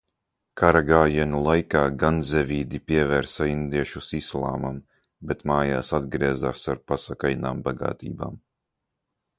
Karagājienu laikā Gaznevīdi pievērsa indiešus islāmam, bet mājās atgriezās ar pasakainām bagātībām.